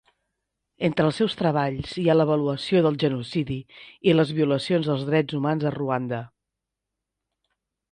Entre els seus treballs hi ha l'avaluació del genocidi i les violacions dels drets humans a Ruanda.